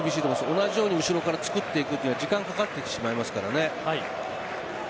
同じように後ろからつくっていくのは時間かかってしまいます。